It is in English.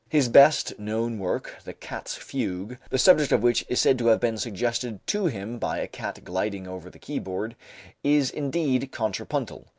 His best, known work, "The Cat's Fugue," the subject of which is said to have been suggested to him by a cat gliding over the keyboard, is indeed contrapuntal.